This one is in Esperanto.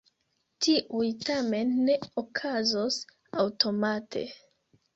Tiuj tamen ne okazos aŭtomate.